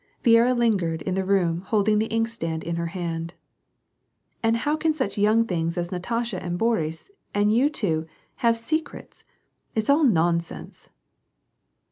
Viera lingered in the room holding the inkstand in her hand. "And how can such young things as Natasha and Boris and you two, have * secrets ',— it's all nonsense